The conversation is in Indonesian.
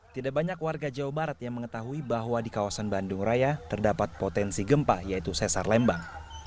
tidak banyak warga jawa barat yang mengetahui bahwa di kawasan bandung raya terdapat potensi gempa yaitu sesar lembang